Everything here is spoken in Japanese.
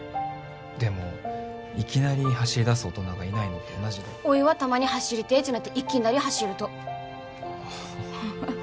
でもいきなり走りだす大人がいないのと同じでおいはたまに走りてーっちなっていきなり走るとああうん